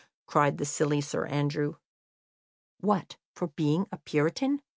cried the silly Sir Andrew. "What, for being a puritan?"